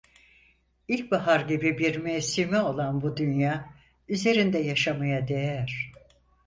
İlkbahar gibi bir mevsimi olan bu dünya, üzerinde yaşanmaya değer…